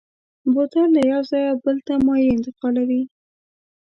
بوتل له یو ځایه بل ته مایع انتقالوي.